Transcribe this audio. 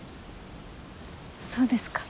そうですか。